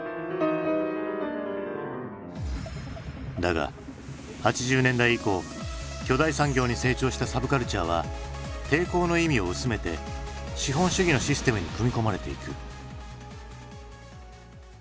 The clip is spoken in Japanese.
だが８０年代以降巨大産業に成長したサブカルチャーは抵抗の意味を薄めて資本主義のシステムに組み込まれていく。